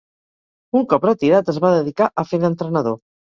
Un cop retirat es va dedicar a fer d'entrenador.